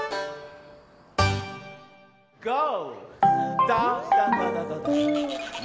ゴー！